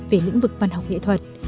về lĩnh vực văn học nghệ thuật